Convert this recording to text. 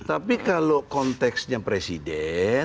tapi kalau konteksnya presiden